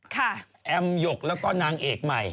แอมหยกแล้วก็นางเอกใหม่